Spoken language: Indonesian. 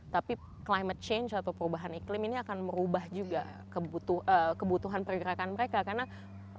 tapi climate change atau perubahan iklim ini akan merubah juga kebutuhan pergerakan mereka karena makanan dan sumber